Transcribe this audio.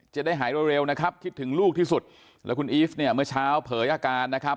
จะได้หายเร็วนะครับคิดถึงลูกที่สุดแล้วคุณอีฟเนี่ยเมื่อเช้าเผยอาการนะครับ